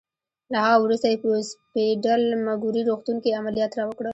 له هغه وروسته یې په اوسپیډل مګوري روغتون کې عملیات راوکړل.